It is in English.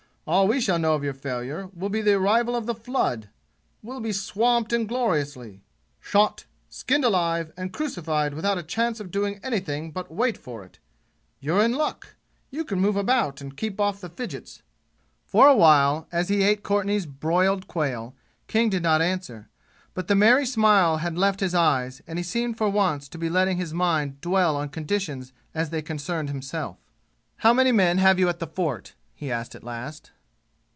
All we shall know of your failure will be the arrival of the flood! We'll be swamped ingloriously shot, skinned alive and crucified without a chance of doing anything but wait for it! You're in luck you can move about and keep off the fidgets!" For a while, as he ate Courtenay's broiled quail, King did not answer. But the merry smile had left his eyes and he seemed for once to be letting his mind dwell on conditions as they concerned himself. "How many men have you at the fort?" he asked at last.